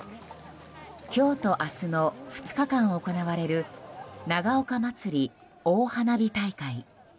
今日と明日の２日間、行われる長岡まつり大花火大会。